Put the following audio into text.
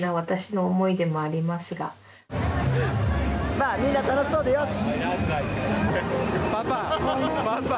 まあみんな楽しそうでよし！